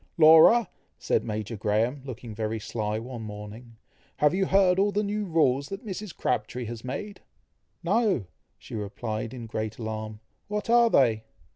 "Laura!" said Major Graham, looking very sly one morning, "have you heard all the new rules that Mrs. Crabtree has made?" "No!" replied she in great alarm; "what are they?"